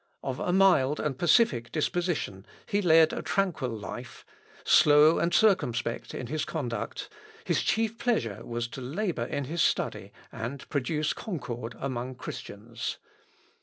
Of a mild and pacific disposition, he led a tranquil life; slow and circumspect in conduct, his chief pleasure was to labour in his study, and produce concord among Christians.